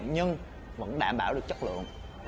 nhưng vẫn đảm bảo được chất lượng